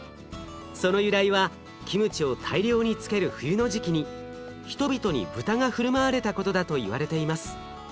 その由来はキムチを大量に漬ける冬の時期に人々に豚が振る舞われたことだといわれています。